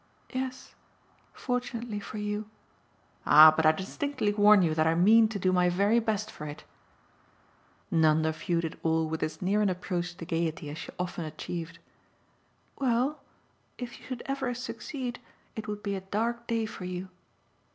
"Yes fortunately for you." "Ah but I distinctly warn you that I mean to do my very best for it!" Nanda viewed it all with as near an approach to gaiety as she often achieved. "Well, if you should ever succeed it would be a dark day for you."